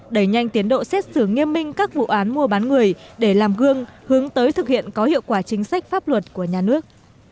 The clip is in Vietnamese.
đẩy nhanh tiến độ xét xử nghiêm minh các vụ án mua bán người để làm gương hướng tới thực hiện có hiệu quả chính sách pháp luật của nhà nước